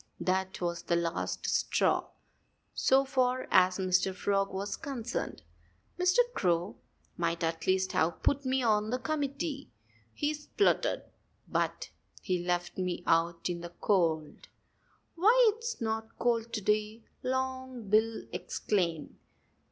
That was the last straw, so far as Mr. Frog was concerned. "Mr. Crow might at least have put me on the committee," he spluttered. "But he has left me out in the cold." "Why, it's not cold to day!" Long Bill exclaimed.